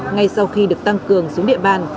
ngay sau khi được tăng cường xuống địa bàn